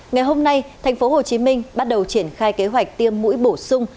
ngày hôm nay tp hcm bắt đầu triển khai kế hoạch tiêm mũi bổ sung